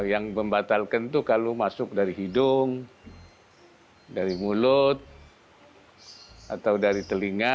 yang membatalkan itu kalau masuk dari hidung dari mulut atau dari telinga